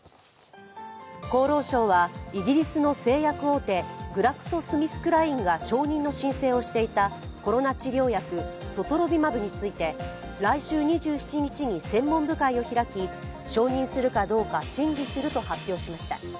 厚労省はイギリスの製薬大手グラクソ・スミスクラインが承認の申請をしていたコロナ治療薬ソトロビマブについて、来週２７日に専門部会を開き、承認するかどうか審議すると発表しました。